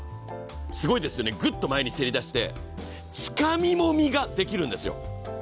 すごいですよね、グッと前にせり出して、つかみもみができるんですよ。